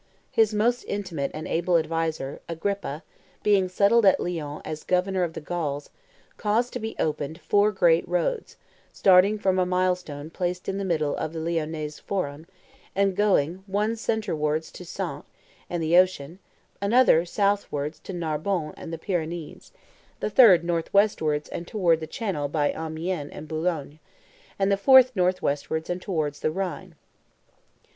His most intimate and able adviser, Agrippa, being settled at Lyons as governor of the Gauls, caused to be opened four great roads, starting from a milestone placed in the middle of the Lyonnese forum, and going, one centrewards to Saintes and the ocean, another southwards to Narbonne and the Pyrenees, the third north westwards and towards the Channel by Amiens and Boulogne, and the fourth north westwards and towards the Rhine.